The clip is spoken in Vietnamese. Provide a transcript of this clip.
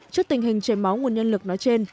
trước tình hình chảy máu nguồn nhân lực nói trên